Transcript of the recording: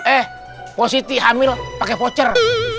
eh pak siti hamil pake pocer